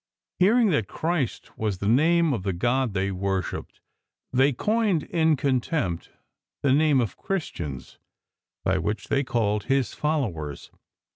Hearing that Christ was the name of the God they worshipped, they coined in contempt the name of " Christians," by which they called His followers.